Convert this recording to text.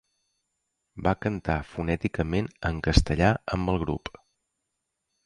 Va cantar fonèticament en castellà amb el grup.